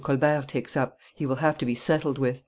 Colbert takes up; he will have to be settled with."